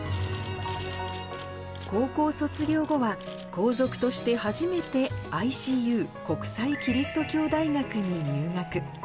高校卒業後は、皇族として初めて、ＩＣＵ・国際基督教大学に入学。